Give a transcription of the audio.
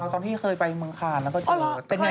เคยเจอคนที่บริการตัดกรุงเขาตอนที่เคยไปเมืองคาแล้วก็เจอ